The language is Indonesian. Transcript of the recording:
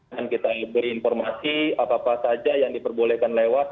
dan kita beri informasi apa apa saja yang diperbolehkan lewat